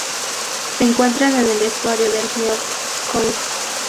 Se encuentran en el estuario del Mekong.